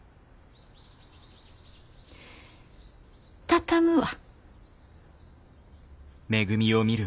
畳むわ。